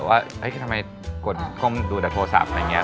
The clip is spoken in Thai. ว่าทำไมกดก้มดูแต่โทรศัพท์อะไรอย่างนี้